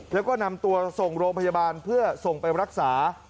แล้วก็นำตัวส่งโรงพยาบาลเพื่อส่งไปรักษา